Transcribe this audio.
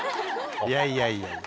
いやいやいやいや。